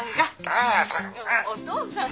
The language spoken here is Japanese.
お父さんが。